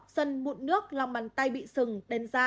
sân mụn nước lòng bàn tay bị sừng đen ra